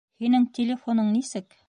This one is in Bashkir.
Һинең телефоның нисек?